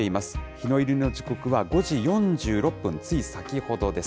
日の入りの時刻は５時４６分、つい先ほどです。